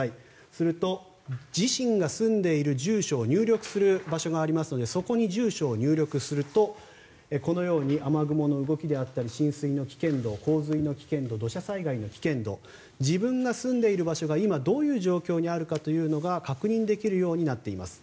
すると、自身が住んでいる住所を入力する場所がありますのでそこに住所を入力すると雨雲の動きであったり浸水の危険度、洪水の危険度土砂災害の危険度自分が住んでいる場所が今どういう状況にあるのかが確認できるようになっています。